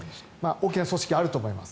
大きな組織があると思います。